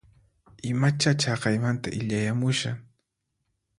Imacha chaqaymanta illayamushan?